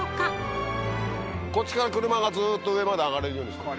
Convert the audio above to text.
こっちから車がずっと上まで上がれるようにした。